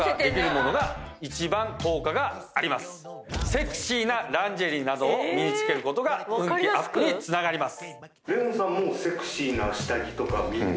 セクシーなランジェリーなどを身に着けることが運気アップにつながります。